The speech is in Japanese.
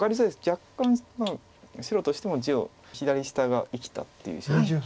若干白としても地を左下が生きたっていう。